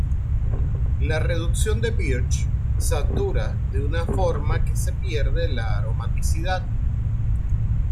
La reducción de Birch satura de una forma que se pierde la aromaticidad.